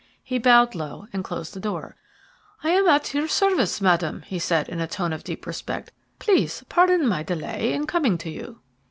He bowed low, and closed the door. "I am at your service, Madam," he said in a tone of deep respect. "Please pardon my delay in coming to you."